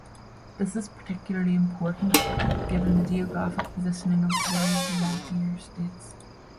This is particularly important, given the geographic positioning of today's rentier states.